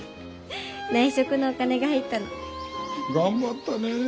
内職のお金が入ったの。頑張ったね！